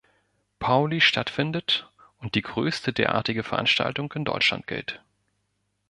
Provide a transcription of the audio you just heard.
Pauli stattfindet und als die größte derartige Veranstaltung in Deutschland gilt.